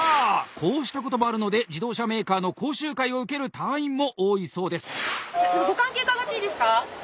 こうしたこともあるので自動車メーカーの講習会を受ける隊員も多いそうです。